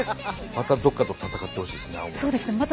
またどこかと戦ってほしいですね青森ね。